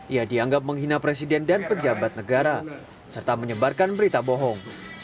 ia dianggap menghina presiden dan pejabat negara serta menyebarkan berita bohong